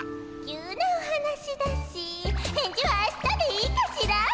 急なお話だし返事は明日でいいかしら？